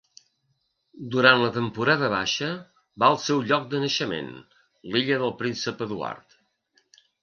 Durant la temporada baixa, va al seu lloc de naixement, l'Illa del Príncep Eduard.